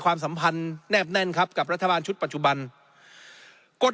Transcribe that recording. สัมพันธ์แนบแน่นครับกับรัฐบาลชุดปัจจุบันกฎ